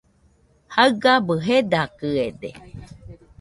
Jaɨgabɨ jedakɨede